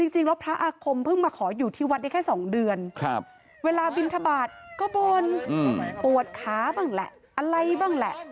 จริงแล้วพระอาคมเพิ่งมาขออยู่ที่วัดได้แค่๒เดือนเวลาบินทบาทก็บ่นปวดขาบ้างแหละอะไรบ้างแหละ